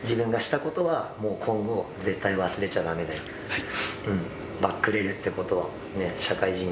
はい。